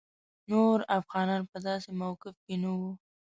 نور افغانان په داسې موقف کې نه وو.